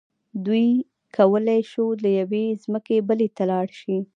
دوی کولی شول له یوې ځمکې بلې ته لاړ شي.